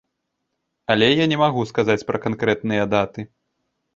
Але я не магу сказаць пра канкрэтныя даты.